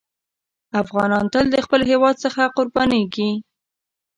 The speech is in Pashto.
افغانان تل د خپل هېواد څخه قربانېږي.